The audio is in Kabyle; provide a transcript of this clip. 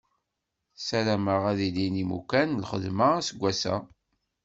Ssarameɣ ad ilin yimukan n lxedma aseggas-a.